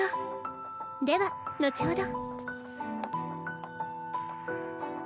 では後ほど。